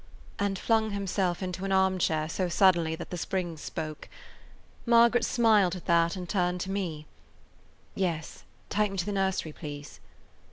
and flung himself into an arm chair so suddenly that the springs spoke. Margaret smiled at that and turned to me, "Yes, take me to the nursery, please."